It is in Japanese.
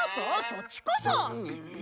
そっちこそ！